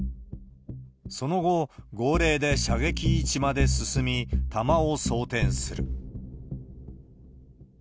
その後、号令で射撃位置まで進み、弾を装填する。